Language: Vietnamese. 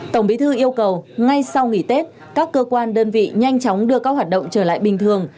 tổng bí thư yêu cầu ngay sau nghỉ tết các cơ quan đơn vị nhanh chóng đưa các hoạt động trở lại bình thường